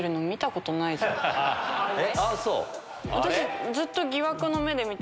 あっそう？